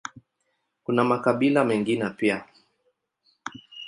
Kuna makabila mengine pia.